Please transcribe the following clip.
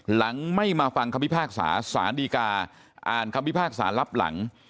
หลังไม่มาฟังคำพิพากษาสารดีกาอ่านคำพิพากษารับหลัง